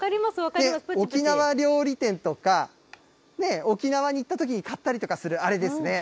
沖縄料理店とか、沖縄に行ったときに買ったりするあれですね。